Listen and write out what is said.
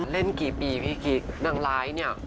เล่นกี่ปีพี่กิ๊กนางร้ายเนี่ย